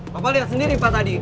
bapak lihat sendiri pak tadi